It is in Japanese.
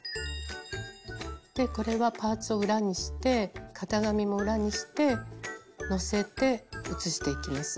これはパーツを裏にして型紙も裏にしてのせて写していきます。